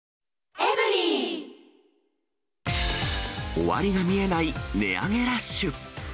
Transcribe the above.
終わりが見えない値上げラッシュ。